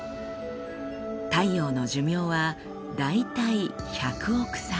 太陽の寿命は大体１００億歳。